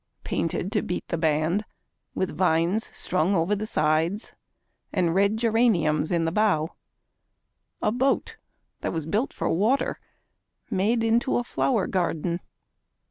Painted to beat the band, with vines strung over the sides And red geraniums in the bow, a boat that was built for water Made into a flower garden.